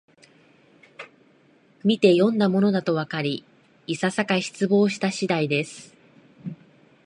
みてよんだものだとわかり、いささか失望した次第です